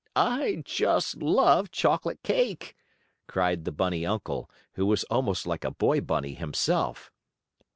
"I just love chocolate cake!" cried the bunny uncle, who was almost like a boy bunny himself.